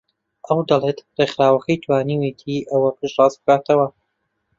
ئەو دەڵێت ڕێکخراوەکەی توانیویەتی ئەوە پشتڕاست بکاتەوە